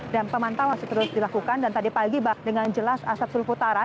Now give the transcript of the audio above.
dan pemantauan terus dilakukan dan tadi pagi dengan jelas asap sulut utara